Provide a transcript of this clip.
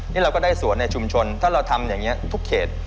นี่เราก็ได้สวนในชุมชนถ้าเราทำอย่างนี้ทุกเขต